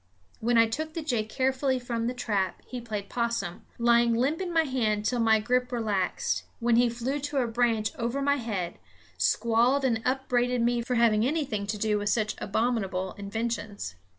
When I took the jay carefully from the trap he played possum, lying limp in my hand till my grip relaxed, when he flew to a branch over my head, squalling and upbraiding me for having anything to do with such abominable inventions.